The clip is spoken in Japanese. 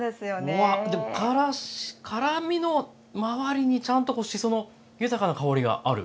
うわっでもからし辛みの周りにちゃんとこうしその豊かな香りがある。